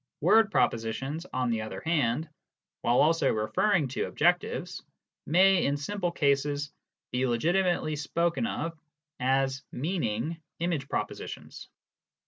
Word proposi tions, on the other hand, while also " referring to " objectives, may, in simple cases, be legitimately spoken of as " meaning " image propositions.